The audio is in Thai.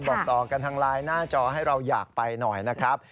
บอกต่อกันทางไลน์หน้าจอให้เราอยากไปหน่อยนะครับ